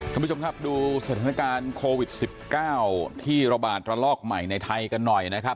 ท่านผู้ชมครับดูสถานการณ์โควิด๑๙ที่ระบาดระลอกใหม่ในไทยกันหน่อยนะครับ